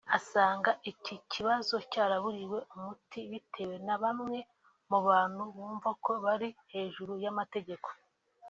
asanga iki kibazo cyaraburiwe umuti bitewe na bamwe mu bantu bumva ko bari hejuru y’amategeko